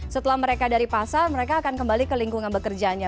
setelah mereka dari pasar mereka akan kembali ke lingkungan bekerjanya